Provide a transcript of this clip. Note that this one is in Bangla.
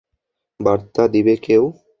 বার্তা দিবে কেউ?